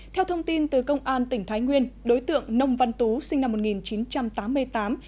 theo thông tin từ công an tỉnh thái nguyên đối tượng nông văn tú sinh năm một nghìn chín trăm tám mươi tám